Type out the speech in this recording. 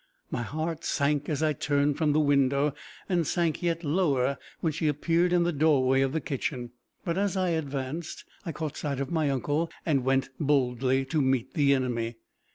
My heart sank as I turned from the window, and sank yet lower when she appeared in the doorway of the kitchen. But as I advanced, I caught sight of my uncle, and went boldly to meet the enemy.